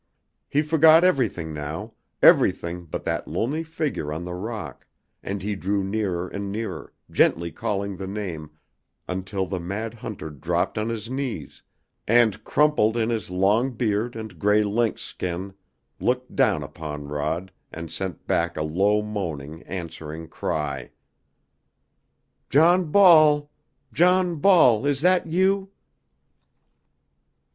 He forgot everything now, everything but that lonely figure on the rock, and he drew nearer and nearer, gently calling the name, until the mad hunter dropped on his knees and, crumpled in his long beard and gray lynx skin, looked down upon Rod and sent back a low moaning, answering cry. "John Ball! John Ball, is that you?"